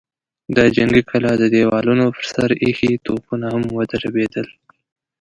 د جنګي کلا د دېوالونو پر سر ايښي توپونه هم ودربېدل.